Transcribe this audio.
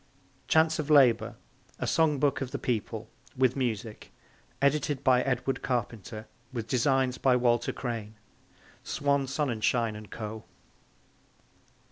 Chants of Labour: A Song Book of the People. With Music. Edited by Edward Carpenter. With Designs by Walter Crane. (Swan Sonnenschein and Co.)